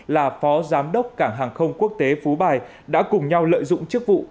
là phó giám đốc cảng hàng không quốc tế phú bài đã cùng nhau lợi dụng chức vụ